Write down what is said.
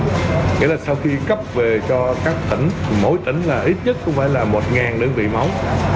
nghĩa là sau khi cấp về cho các tỉnh mỗi tỉnh là ít nhất không phải là một đơn vị máu